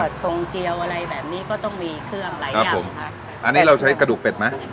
ชงเจียวอะไรแบบนี้ก็ต้องมีเครื่องหลายอย่างค่ะอันนี้เราใช้กระดูกเป็ดไหม